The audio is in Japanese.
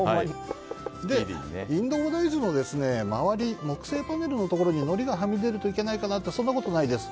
インドボダイジュも周り木製パネルのところにのりがはみ出るといけないかなとそんなことないです。